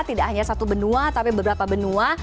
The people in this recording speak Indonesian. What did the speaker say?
tidak hanya satu benua tapi beberapa benua